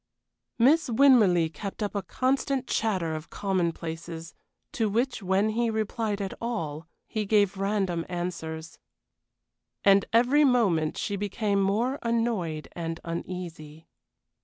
Miss Winmarleigh kept up a constant chatter of commonplaces, to which, when he replied at all, he gave random answers. And every moment she became more annoyed and uneasy.